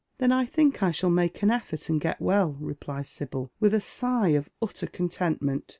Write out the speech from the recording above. " Then I think I shall make an effort and get well," replies Sibyl, with a sigh of utter contentment.